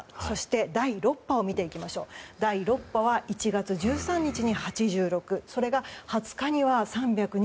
そして第６波を見ていきますと１月１３日に８６それが２０日には３２７。